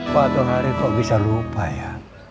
waktu hari kok bisa lupa ya